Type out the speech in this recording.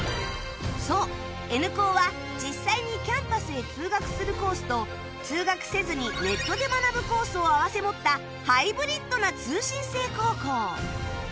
そう Ｎ 高は実際にキャンパスへ通学するコースと通学せずにネットで学ぶコースを併せ持ったハイブリッドな通信制高校